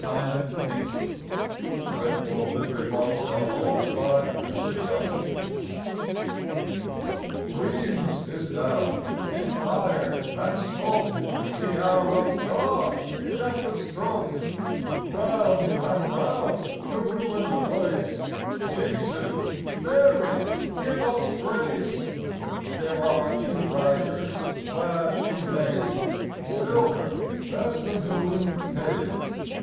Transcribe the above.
Love till death ! 22 FLOWER OF YOUTH THE RIDERS RHEIMS is down in fire and smoke, The hour of God is at the stroke. Round and round the ruined place, Jesu, Mary, give us grace 1 There are two riders clad in mail, Silver as the moon pale.